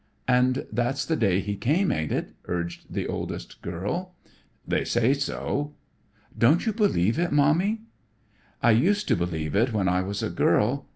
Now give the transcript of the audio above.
"And that's the day He came, ain't it?" urged the oldest girl. "They say so." "Don't you believe it, Mommy?" "I used to believe it when I was a girl.